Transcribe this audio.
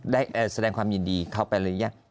ได้แสดงความยินดีเข้าไปหรือยัง